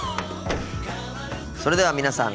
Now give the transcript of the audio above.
それでは皆さん